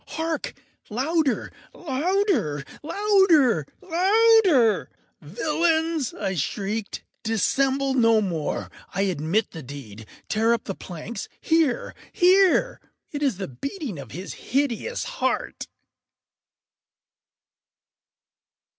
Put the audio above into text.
—hark! louder! louder! louder! louder! “Villains!” I shrieked, “dissemble no more! I admit the deed!—tear up the planks!—here, here!—It is the beating of his hideous heart!